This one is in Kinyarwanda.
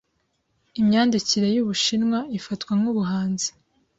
Imyandikire yubushinwa ifatwa nkubuhanzi.